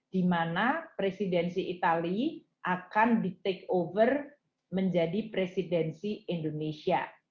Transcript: di mana presidensi itali akan di take over menjadi presidensi indonesia